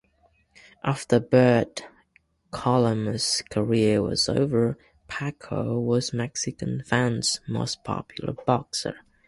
After Bert Colima's career was over, Pacho was Mexican fans' most popular boxer.